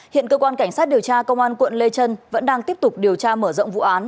hiện cơ quan cảnh sát điều tra công an quận lê trân vẫn đang tiếp tục điều tra mở rộng vụ án